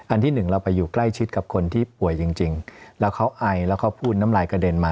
ที่หนึ่งเราไปอยู่ใกล้ชิดกับคนที่ป่วยจริงแล้วเขาไอแล้วเขาพูดน้ำลายกระเด็นมา